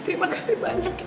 terima kasih banyak ya ibu